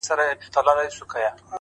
هوښیار فکر بېځایه اندېښنې کموي.!